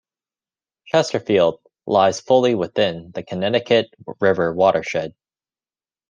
Chesterfield lies fully within the Connecticut River watershed.